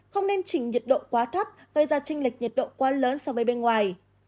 không nên trình nhiệt độ quá thấp gây ra tranh lệch nhiệt độ quá lớn so với bên ngoài